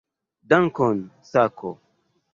Dankon, Sako!